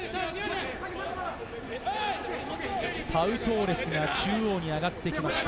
パウ・トーレスが中央に上がってきました。